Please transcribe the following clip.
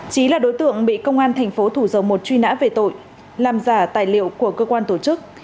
chí là đối tượng bị công an tp thủ dầu một truy nã về tội làm giả tài liệu của cơ quan tổ chức